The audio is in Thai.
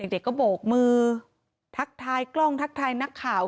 เด็กก็โบกมือทักทายกล้องทักทายนักข่าว